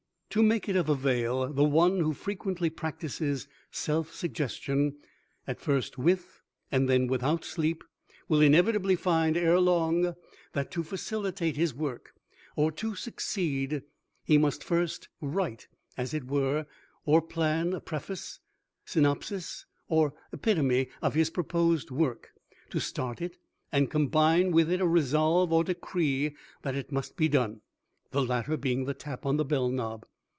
To make it of avail the one who frequently practices self suggestion, at first with, and then without sleep, will inevitably find ere long that to facilitate his work, or to succeed he must first write, as it were, or plan a preface, synopsis, or epitome of his proposed work, to start it and combine with it a resolve or decree that it must be done, the latter being the tap on the bell knob.